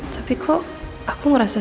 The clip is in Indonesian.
tapi kok aku ngerasa